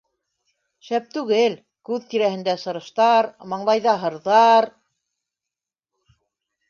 Шәп түгел - күҙ тирәһендә сырыштар, маңлайҙа һырҙар.